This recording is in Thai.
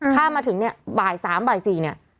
ถ้ามาถึงเนี่ยบ่าย๓บ่าย๔เนี่ย